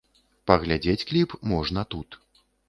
Паглядзець кліп можна тут.